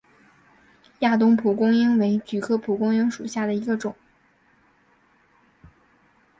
亚东蒲公英为菊科蒲公英属下的一个种。